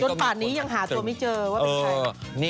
ป่านนี้ยังหาตัวไม่เจอว่าเป็นใคร